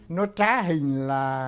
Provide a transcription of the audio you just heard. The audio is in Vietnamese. nó trá hình là